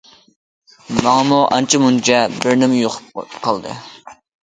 ماڭىمۇ ئانچە- مۇنچە بىرنېمە يۇقۇپ قالدى.